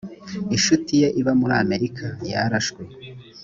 inshuti ye iba muri amerika yarashwe.